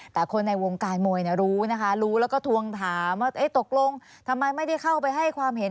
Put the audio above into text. แต่คนในวงการมวยรู้นะคะรู้แล้วก็ทวงถามว่าตกลงทำไมไม่ได้เข้าไปให้ความเห็น